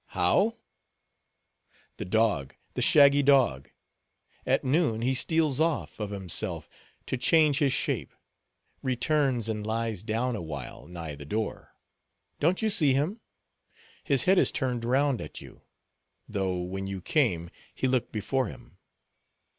"How?" "The dog, the shaggy dog. At noon, he steals off, of himself, to change his shape—returns, and lies down awhile, nigh the door. Don't you see him? His head is turned round at you; though, when you came, he looked before him."